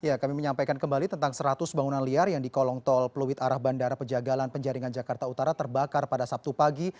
ya kami menyampaikan kembali tentang seratus bangunan liar yang di kolong tol pluit arah bandara pejagalan penjaringan jakarta utara terbakar pada sabtu pagi